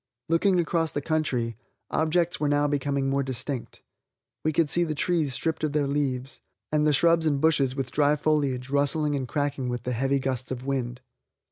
Looking across the country, objects were now becoming more distinct. We could see the trees stripped of their leaves, and the shrubs and bushes with dry foliage rustling and cracking with the heavy gusts of wind.